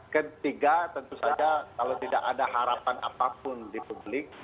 ketiga tentu saja kalau tidak ada harapan apapun di publik